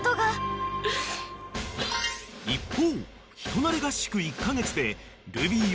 ［一方］